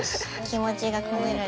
気持ちが込められて。